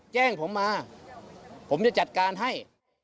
แจ้งผมมาผมจะจัดการให้